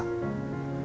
gak keras kepala ini elsa